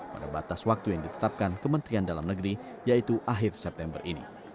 pada batas waktu yang ditetapkan kementerian dalam negeri yaitu akhir september ini